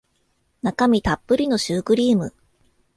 中身たっぷりのシュークリーム